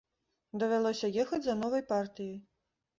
Давялося ехаць за новай партыяй.